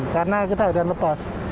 karena kita harian lepas